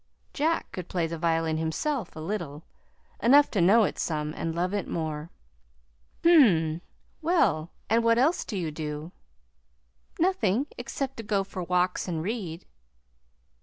(Jack could play the violin himself a little enough to know it some, and love it more.) "Hm m; well, and what else do you do?" "Nothing, except to go for walks and read."